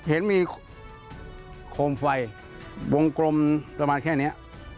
เห็นมีโคมไฟวงกลมประมาณแค่นี้